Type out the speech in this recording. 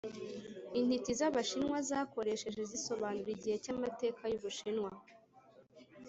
intiti z’abashinwa zakoresheje zisobanura igihe cy’amateka y’u bushinwa